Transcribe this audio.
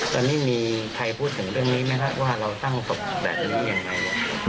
ตอนนี้มีใครพูดถึงเรื่องนี้ไหมครับว่าเราตั้งศพแบบนี้ยังไง